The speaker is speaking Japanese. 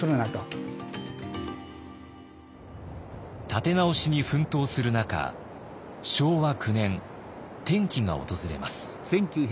立て直しに奮闘する中昭和９年転機が訪れます。